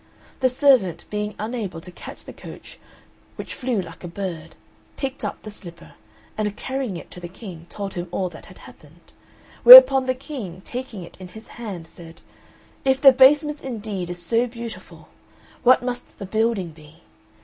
The servant being unable to catch the coach, which flew like a bird, picked up the slipper, and carrying it to the King told him all that happened. Whereupon the King, taking it in his hand, said, "If the basement, indeed, is so beautiful, what must the building be.